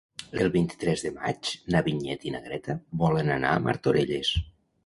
El vint-i-tres de maig na Vinyet i na Greta volen anar a Martorelles.